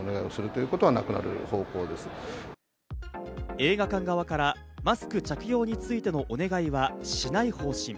映画館側からマスク着用についてのお願いはしない方針。